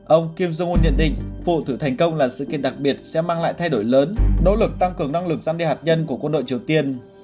ông kim jong un nhận định phủ thử thành công là sự kiện đặc biệt sẽ mang lại thay đổi lớn nỗ lực tăng cường năng lực gian đe hạt nhân của quân đội triều tiên